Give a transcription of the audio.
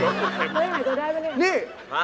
ในนี้